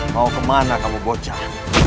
mau kemana kamu bocah